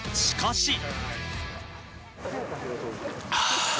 しかし。